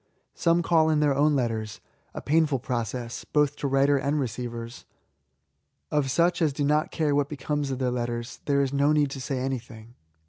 Some call in their own letters ;—« painful process, both to writer and receivers. Of such as do not care what becomes of their letters, there is no need to say anything.